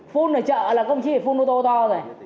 phun ở chợ là không trí về phun ô tô to rồi